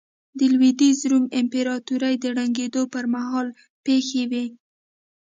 د لوېدیځ روم امپراتورۍ د ړنګېدو پرمهال پېښې وې